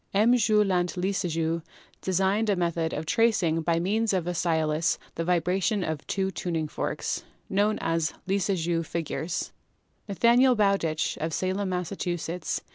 M. Jul. Ant. Lissajous designed a method of tracing by means of a stylus the vibrations of two tuning forks, known as 'Lissajous' figures/ Nathaniel Bowditch, of Salem, Mass.